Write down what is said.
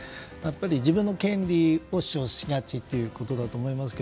自分の権利を主張しがちだということだと思いますが。